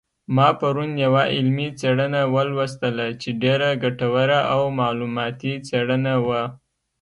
ما پرون یوه علمي څېړنه ولوستله چې ډېره ګټوره او معلوماتي څېړنه وه